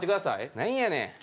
何やねん。